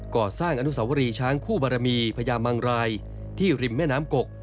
ก่อสร้างอนุสาวรีช้างคู่บารมีพญามังรายที่ริมแม่น้ำกก